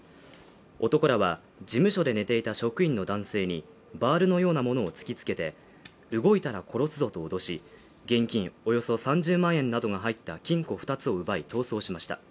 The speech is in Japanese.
男らは事務所で寝ていた職員の男性にバールのような物を突きつけて動いたら殺すぞと脅し、現金およそ３０万円などが入った金庫二つを奪い逃走しました。